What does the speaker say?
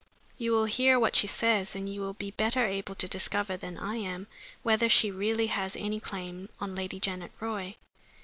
You will hear what she says, and you will be better able to discover than I am whether she really has any claim on Lady Janet Roy.